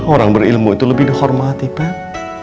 orang berilmu itu lebih dihormati pen